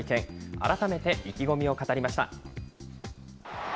改めて意気込みを語りました。